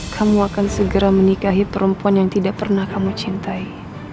kamu akan segera menikahi perempuan yang tidak pernah kamu cintai